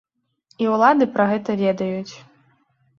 І ўлады пра гэта ведаюць.